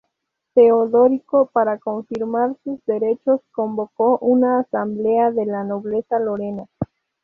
Teodorico, para confirmar sus derechos, convocó una asamblea de la nobleza lorena.